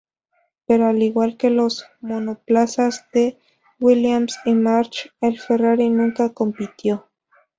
Pero al igual que los monoplazas de Williams y March, el Ferrari nunca compitió.